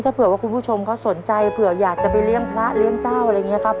ถ้าเผื่อว่าคุณผู้ชมเขาสนใจเผื่ออยากจะไปเลี้ยงพระเลี้ยงเจ้าอะไรอย่างนี้ครับ